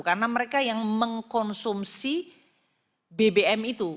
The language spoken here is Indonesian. karena mereka yang mengkonsumsi bbm itu